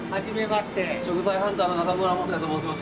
食材ハンターの中村昌也と申します。